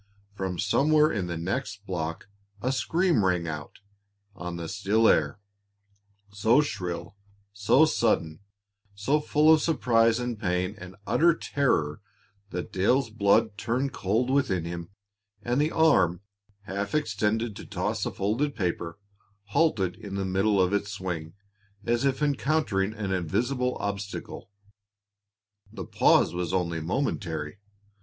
From somewhere in the next block a scream rang out on the still air, so shrill, so sudden, so full of surprise and pain and utter terror that Dale's blood turned cold within him, and the arm, half extended to toss a folded paper, halted in the middle of its swing, as if encountering an invisible obstacle. The pause was only momentary.